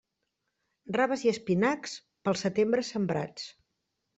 Raves i espinacs, pel setembre sembrats.